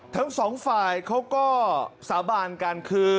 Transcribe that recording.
ทั้งสองฝ่ายเขาก็สาบานกันคือ